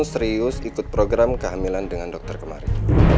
serius ikut program kehamilan dengan dokter kemarin